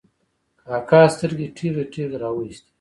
کاکا سترګې ټېغې ټېغې را وایستې.